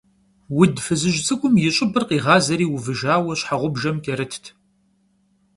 Vud fızıj ts'ık'um yi ş'ıbır yiğazeri vuvıjjaue şheğubjjem ç'erıtt.